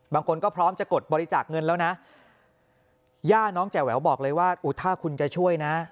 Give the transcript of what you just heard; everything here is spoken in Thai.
บางคนก็พร้อมจะกดบริจาคเงินแล้วนะย่าน้องแจ่แววบอกเลยว่าถ้าคุณจะช่วยนะ